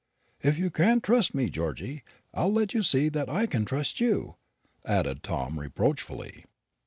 If you can't trust me, Georgy, I'll let you see that I can trust you", added Tom reproachfully.